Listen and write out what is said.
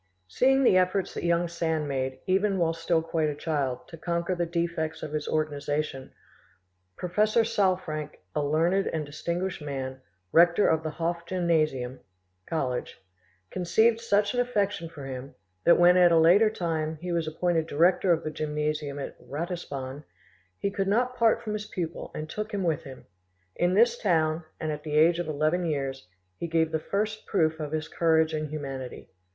Seeing the efforts that young Sand made, even while still quite a child, to conquer the defects of his organisation, Professor Salfranck, a learned and distinguished man, rector of the Hof gymnasium [college], conceived such an affection for him, that when, at a later time, he was appointed director of the gymnasium at Ratisbon, he could not part from his pupil, and took him with him. In this town, and at the age of eleven years, he gave the first proof of his courage and humanity.